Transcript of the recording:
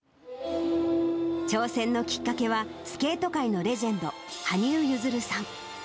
挑戦のきっかけは、スケート界のレジェンド、羽生結弦さん。